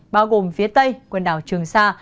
bao gồm phía tây quyền đào trường sa